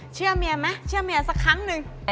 เชื่อเมียไหมเชื่อเมียสักครั้งหนึ่ง